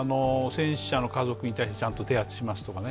戦死者の家族に対してちゃんと手当しますとか。